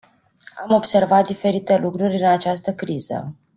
Am observat diferite lucruri în această criză.